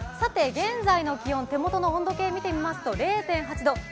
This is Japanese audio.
現在の気温、手元の温度計見てみますと０．８度。